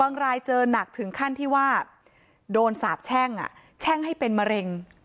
รายเจอหนักถึงขั้นที่ว่าโดนสาบแช่งแช่งให้เป็นมะเร็ง